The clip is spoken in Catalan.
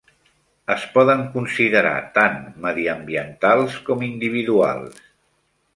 Es poden considerar tan mediambientals com individuals.